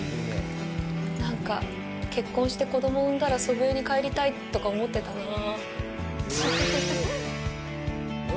なんか、結婚して子供を産んだら祖父江に帰りたいとか思ってたなあ。